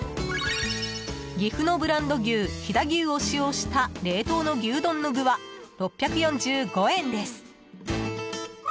岐阜のブランド牛飛騨牛を使用した冷凍の牛丼の具は６４５円です。